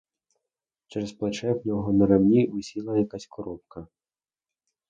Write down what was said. Через плече в нього на ремені висіла якась коробка.